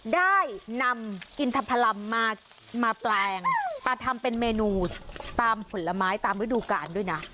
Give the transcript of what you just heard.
ได้นำอินทพลัมมาแปลงมาทำเป็นเมนูตามผลไม้ตามฤดูกาลด้วยนะ